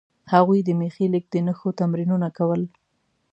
هغوی د میخي لیک د نښو تمرینونه کول.